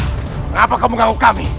kenapa kau mengganggu kami